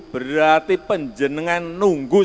berarti penjenengan nunggu satu ratus enam puluh tahun